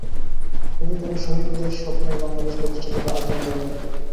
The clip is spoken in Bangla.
কিন্তু তবু শহীদদের স্বপ্নের বাংলাদেশ প্রতিষ্ঠা থেকে আজও আমরা অনেক দূরে।